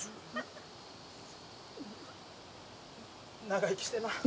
長生きしてな。